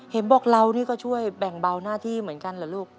เห็นบอกเรานี่ก็ช่วยแบ่งเบาหน้าที่เหมือนกันเหรอลูก